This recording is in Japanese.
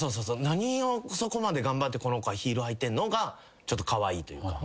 何をそこまで頑張ってこの子はヒールを履いてんの？がちょっとカワイイというか。